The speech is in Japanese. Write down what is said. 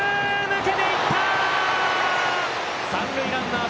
抜けていったー！